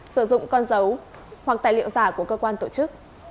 sử dụng con dấu hoặc tài liệu giả của cơ quan tổ chức